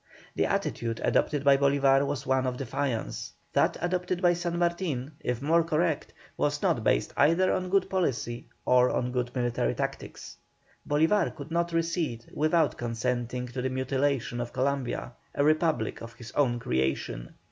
The attitude adopted by Bolívar was one of defiance; that adopted by San Martin, if more correct, was not based either on good policy or on good military tactics. Bolívar could not recede without consenting to the mutilation of Columbia, a republic of his own creation.